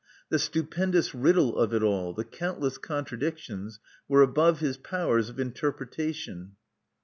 The stupendous riddle of it all, the countless contradictions, were above his powers of interpretation.